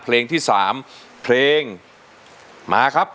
เพลงที่๓เพลงมาครับ